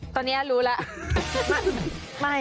ตอนนี้รู้แล้ว